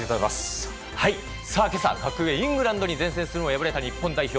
今朝、格上のイングランドに善戦するも敗れた日本代表。